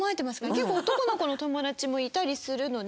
結構男の子の友達もいたりするので。